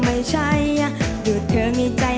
บิล้าอธิบาย